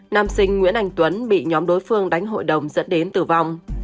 nam sinh nguyễn anh tuấn bị nhóm đối phương đánh hội đồng dẫn đến tử vong